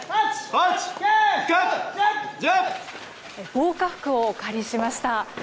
防火服をお借りしました。